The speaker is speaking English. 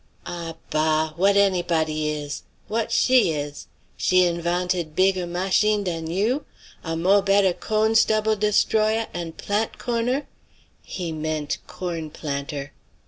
"Ah, bah! What anybody is? What she is? She invanted bigger mash in dan you? a mo' better corn stubbl' destroyer and plant corner?" He meant corn planter.